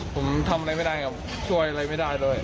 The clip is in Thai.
ผมทำอะไรไม่ได้ครับช่วยอะไรไม่ได้เลย